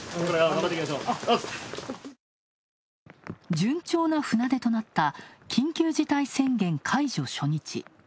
順調な船出となった緊急事態宣言解除初日。